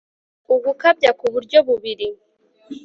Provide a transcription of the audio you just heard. Ugukabya kU buryo Bubiri